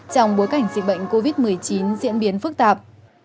trong bối cảnh dịch bệnh covid một mươi chín diễn biến phức tạp